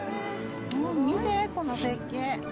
見て、この絶景。